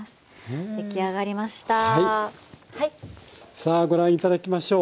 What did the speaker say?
さあご覧頂きましょう。